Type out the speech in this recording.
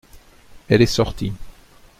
Elle est sortie.